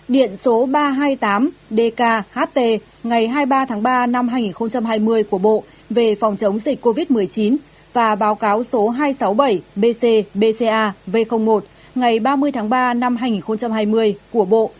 điện số ba trăm hai mươi tám dkht ngày hai mươi ba tháng ba năm hai nghìn hai mươi của bộ về phòng chống dịch covid một mươi chín và báo cáo số hai trăm sáu mươi bảy bc bca v một ngày ba mươi tháng ba năm hai nghìn hai mươi của bộ